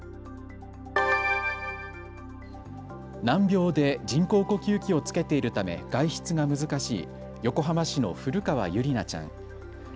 難病で人工呼吸器を着けているため外出が難しい横浜市の古川結莉奈ちゃん。